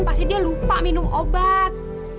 pasti dia lupa minum obat